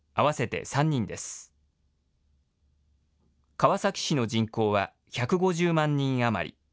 川崎市の人口は１５０万人余り。